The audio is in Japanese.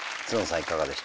いかがでした？